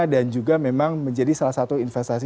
dan juga memang menjadi salah satu instrumentasi